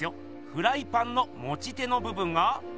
フライパンのもち手のぶぶんが。